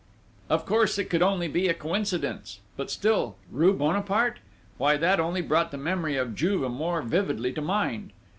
Of course, it could only be a coincidence ... but still ... rue Bonaparte why that only brought the memory of Juve more vividly to mind!